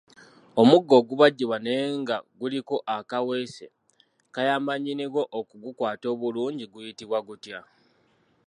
Omuggo ogubajjibwa naye nga guliko akeeweese kayambe nnyini gwo okugukwata obulungi guyitibwa gutya?